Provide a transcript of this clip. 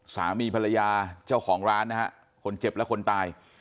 สามีภรรยาเจ้าของร้านนะฮะคนเจ็บและคนตาย